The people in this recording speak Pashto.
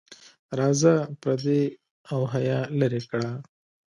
راځه پردې او حیا لرې کړه.